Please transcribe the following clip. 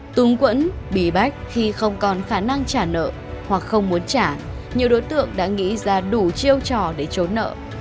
túng quẫn bí bách khi không còn khả năng trả nợ hoặc không muốn trả nhiều đối tượng đã nghĩ ra đủ chiêu trò để trốn nợ